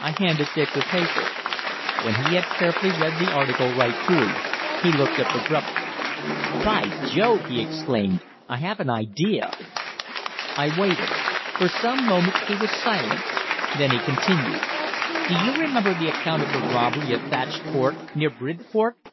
I handed Dick the paper. When he had carefully read the article right through, he looked up abruptly. "By Jove," he exclaimed, "I have an idea!" I waited. For some moments he was silent. Then he continued: "Do you remember the account of the robbery at Thatched Court, near Bridport?